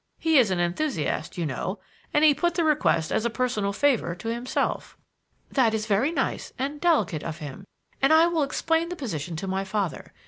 He is an enthusiast, you know, and he put the request as a personal favor to himself." "That is very nice and delicate of him, and I will explain the position to my father.